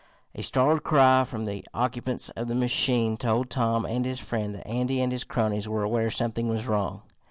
A startled cry from the occupants of the machine told Tom and his friend that Andy and his cronies were aware something was wrong.